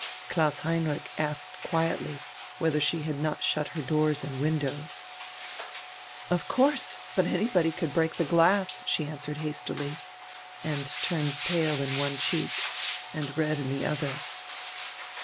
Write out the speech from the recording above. Klaus Heinrich asked quietly whether she had not shut her door and windows. "Of course, but anyone could break the glass!" she answered hastily, and turned pale in one cheek and red in the other.